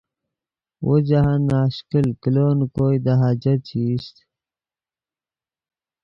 وو جاہند ناشکل کلو نے کوئے دے حاجت چے ایست